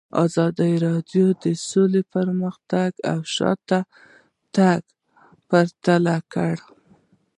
ازادي راډیو د سوله پرمختګ او شاتګ پرتله کړی.